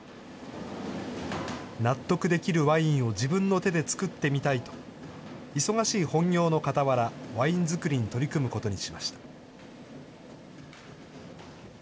納得できるワインを自分の手で造ってみたいと、忙しい本業のかたわら、ワイン造りに取り組むことにしました。